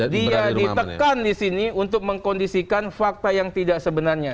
dia ditekan di sini untuk mengkondisikan fakta yang tidak sebenarnya